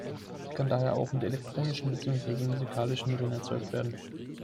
Sie kann daher auch mit elektronischen beziehungsweise musikalischen Mitteln erzeugt werden.